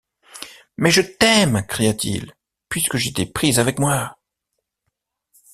Mais je t’aime, cria-t-il, puisque je t’ai prise avec moi.